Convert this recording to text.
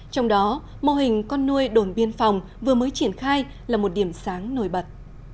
trong đó mô hình con nuôi đồn biên phòng vừa mới triển khai là một điểm sáng nổi bật